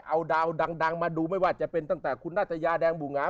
เอาดาวดังมาดูไม่ว่าจะเป็นตั้งแต่คุณนาตยาแดงบูหงา